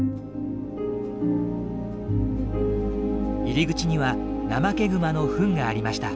入り口にはナマケグマのフンがありました。